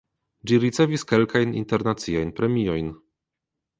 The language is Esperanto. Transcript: Ĝi ricevis kelkajn internaciajn premiojn.